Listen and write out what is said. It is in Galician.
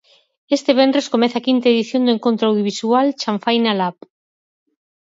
Este venres comeza a quinta edición do encontro audiovisual Chanfaina Lab.